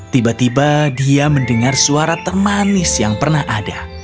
tiba tiba dia mendengar suara termanis yang pernah ada